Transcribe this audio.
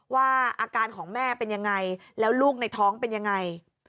ว่าอาการของแม่เป็นยังไงแล้วลูกในท้องเป็นยังไง